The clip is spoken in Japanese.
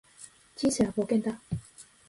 人生は冒険だ